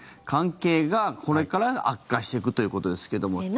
関係がこれから悪化していくということですけども。